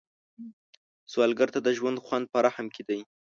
سوالګر ته د ژوند خوند په رحم کې دی